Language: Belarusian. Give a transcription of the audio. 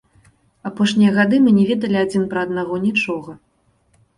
Апошнія гады мы не ведалі адзін пра аднаго нічога.